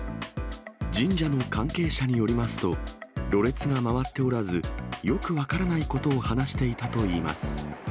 神社の関係者によりますと、ろれつが回っておらず、よく分からないことを話していたといいます。